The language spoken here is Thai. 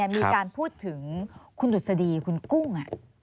มีการพูดถึงคุณดุษฎีคุณกุ้ง